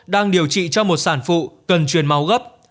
đang điều trị cho một sản phụ cần truyền máu gấp